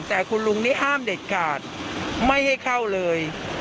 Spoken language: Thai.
แต่คุณลุงนี่ห้ามเด็ดขาดไม่ให้เข้าเลย